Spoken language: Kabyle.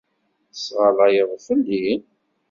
Tesɣallayeḍ fell-i?